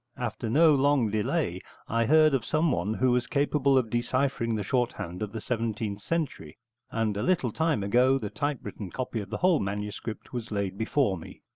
After no long delay I heard of someone who was capable of deciphering the shorthand of the seventeenth century, and a little time ago the typewritten copy of the whole manuscript was laid before me.